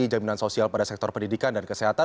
jaminan sosial pada sektor pendidikan dan kesehatan